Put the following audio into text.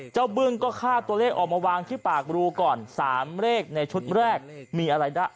บึ้งก็ฆ่าตัวเลขออกมาวางที่ปากรูก่อน๓เลขในชุดแรกมีอะไรได้